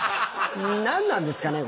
何なんですかね？